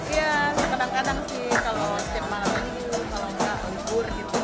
iya kadang kadang sih kalau siap malam ini dulu kalau nggak libur gitu